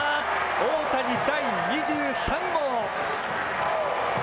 大谷、第２３号。